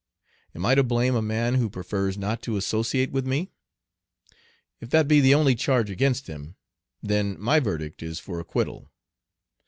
Am I to blame a man who prefers not to associate with me? If that be the only charge against him, then my verdict is for acquittal.